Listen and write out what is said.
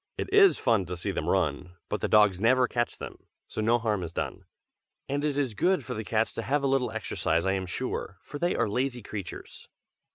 "It is fun to see them run, but the dogs never catch them, so no harm is done. And it is good for the cats to have a little exercise, I am sure, for they are lazy creatures."